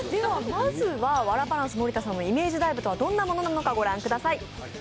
まずは、ワラバンス盛田さんのイメージダイブとはどんなものなのか、ご覧ください。